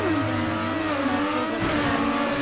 納豆が嫌いなんて